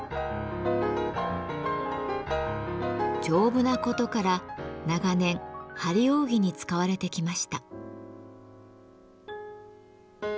丈夫なことから長年張り扇に使われてきました。